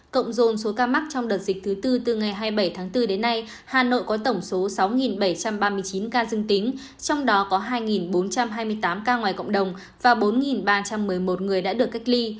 cộng dồn số ca mắc trong đợt dịch thứ tư từ ngày hai mươi bảy tháng bốn đến nay hà nội có tổng số sáu bảy trăm ba mươi chín ca dương tính trong đó có hai bốn trăm hai mươi tám ca ngoài cộng đồng và bốn ba trăm một mươi một người đã được cách ly